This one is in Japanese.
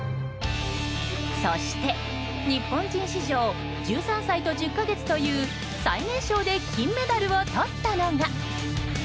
そして、日本人史上１３歳と１０か月という最年少で金メダルをとったのが。